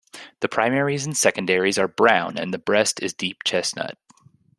The primaries and secondaries are brown and the breast is deep chestnut.